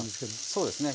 そうですね。